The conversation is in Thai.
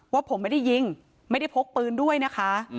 ว่าผมไม่ได้ยิงไม่ได้พกปืนด้วยนะคะ